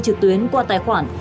trực tuyến qua tài khoản